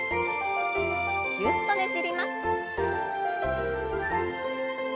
ぎゅっとねじります。